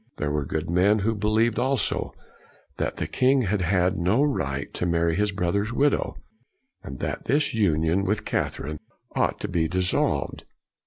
There were good men who believed also that the king had had no right to marry his brother's widow, and that his union CRANMER 81 with Catherine ought to be dissolved.